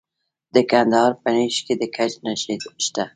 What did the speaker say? د کندهار په نیش کې د ګچ نښې شته.